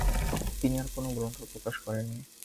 তিনি আর কোন গ্রন্থ প্রকাশ করেননি।